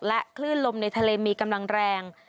คลื่นลมในทะเลมีกำลังแรง